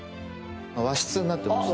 和室になってまして。